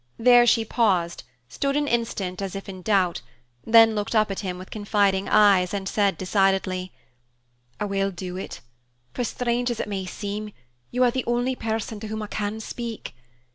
There she paused, stood an instant as if in doubt, then looked up at him with confiding eyes and said decidedly, "I will do it; for, strange as it may seem, you are the only person to whom I can speak.